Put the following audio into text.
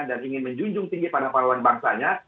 dan ingin menjunjung tinggi pada pahlawan bangsanya